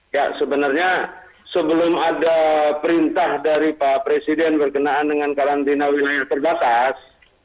ya sebenarnya sebelum ada perintah dari pak presiden berkenaan dengan karantina wilayah terbatas